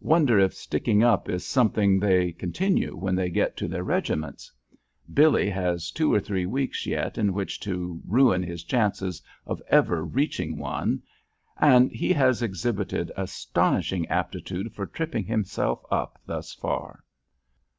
Wonder if sticking up is something they continue when they get to their regiments? Billy has two or three weeks yet in which to ruin his chances of ever reaching one, and he has exhibited astonishing aptitude for tripping himself up thus far."